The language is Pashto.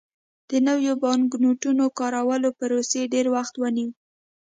د نویو بانکنوټونو کارولو پروسې ډېر وخت ونیو.